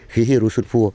khí hia ru sút phua